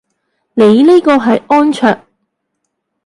你呢個係安卓